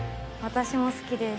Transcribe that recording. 私も好きです